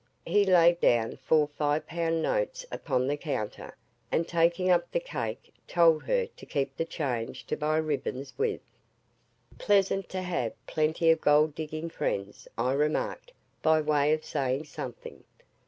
He laid down four five pound notes upon the counter, and taking up the cake, told her to "keep the change to buy ribbons with." "Pleasant to have plenty of gold digging friends," I remarked, by way of saying something.